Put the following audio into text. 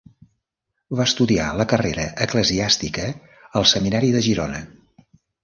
Va estudiar la carrera eclesiàstica al seminari de Girona.